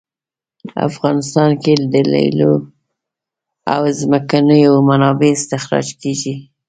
افغانستان کې د لیلیو او ځمکنیو منابعو استخراج کیږي